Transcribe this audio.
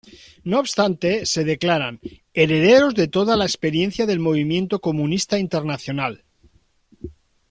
No obstante, se declaran "herederos de toda la experiencia del movimiento comunista internacional".